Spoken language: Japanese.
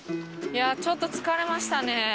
ちょっと疲れましたね。